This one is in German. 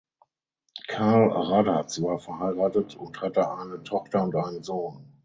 Karl Raddatz war verheiratet und hatte eine Tochter und einen Sohn.